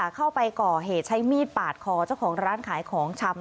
เข้าไปก่อเหตุใช้มีดปาดคอเจ้าของร้านขายของชำ